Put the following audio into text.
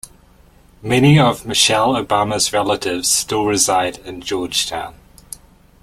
Many of Michelle Obama's relatives still reside in Georgtown.